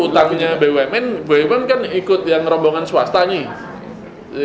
utangnya bumn bumn kan ikut yang rombongan swasta nih